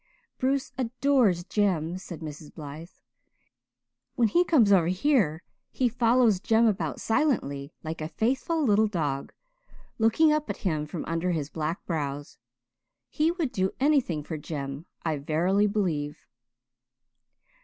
"Bruce adores Jem," said Mrs Blythe. "When he comes over here he follows Jem about silently like a faithful little dog, looking up at him from under his black brows. He would do anything for Jem, I verily believe."